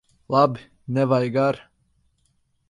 Labi! Nevajag ar'.